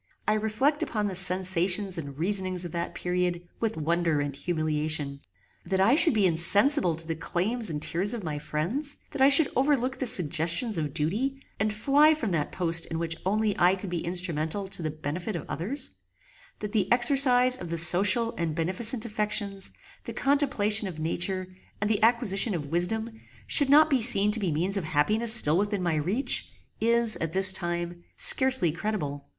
I reflect upon the sensations and reasonings of that period with wonder and humiliation. That I should be insensible to the claims and tears of my friends; that I should overlook the suggestions of duty, and fly from that post in which only I could be instrumental to the benefit of others; that the exercise of the social and beneficent affections, the contemplation of nature and the acquisition of wisdom should not be seen to be means of happiness still within my reach, is, at this time, scarcely credible.